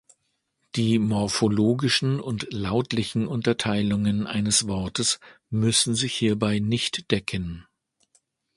Die morphologischen und lautlichen Unterteilungen eines Wortes müssen sich hierbei nicht decken.